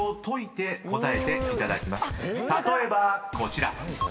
［例えばこちら。